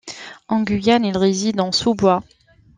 En Guyane, il réside en sous-bois.